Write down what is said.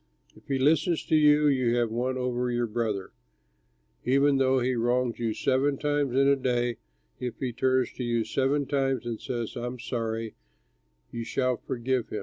If he listens to you, you have won over your brother. Even though he wrongs you seven times in a day, if he turns to you seven times and says, 'I am sorry,' you shall forgive him."